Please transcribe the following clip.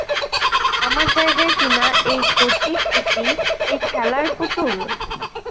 আমার জায়গায় কিনা এই কচি খুকি, এই খেলার পুতুল!